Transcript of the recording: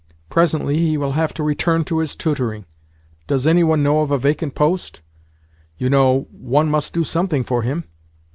Presently he will have to return to his tutoring. Does any one know of a vacant post? You know, one must do something for him."